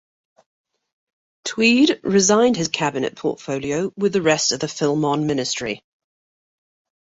Tweed resigned his cabinet portfolio with the rest of the Filmon ministry.